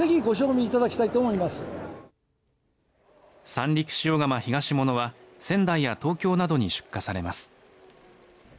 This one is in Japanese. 三陸塩釜ひがしものは仙台や東京などに出荷されます。